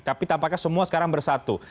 tapi tampaknya semua sekarang bersatu